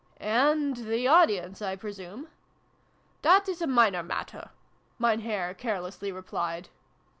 " And the audience, I presume ?" "That is a minor matter," Mein Herr care lessly replied.